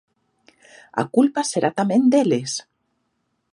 ¡A culpa será tamén deles!